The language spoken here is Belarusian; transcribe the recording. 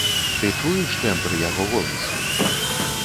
Ты чуеш тэмбр яго голасу?